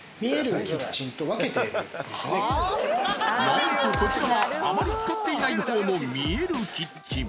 ［何とこちらはあまり使っていない方の見えるキッチン］